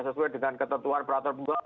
sesuai dengan ketentuan peraturan